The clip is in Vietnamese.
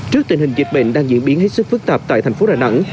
trước tình hình dịch bệnh đang diễn biến hết sức phức tạp tại thành phố đà nẵng